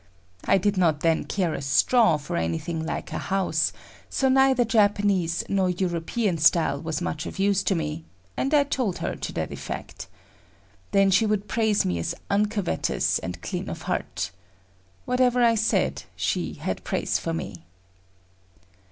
I did not then care a straw for anything like a house; so neither Japanese nor European style was much of use to me, and I told her to that effect. Then she would praise me as uncovetous and clean of heart. Whatever I said, she had praise for me.